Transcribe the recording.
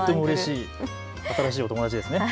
新しいお友達ですね。